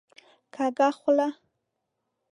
کږه خوله